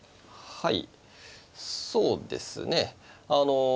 はい。